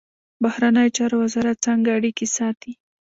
بهرنیو چارو وزارت څنګه اړیکې ساتي؟